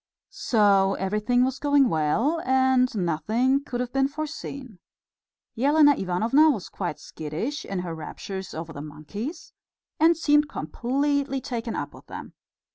So everything was going well, and nothing could have been foreseen. Elena Ivanovna was quite skittish in her raptures over the monkeys, and seemed completely taken up with them.